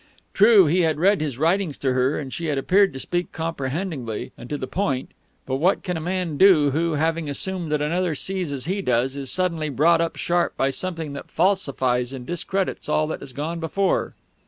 True, he had read his writings to her and she had appeared to speak comprehendingly and to the point; but what can a man do who, having assumed that another sees as he does, is suddenly brought up sharp by something that falsifies and discredits all that has gone before?